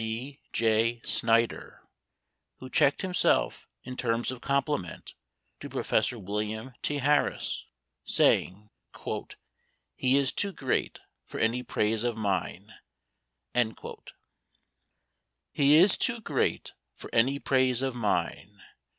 D. J. Snider, who checked himself in terms of compliment to Prof. William T. Harris, saying, " He is too great for any praise of mine." E is too great for any praise of mine."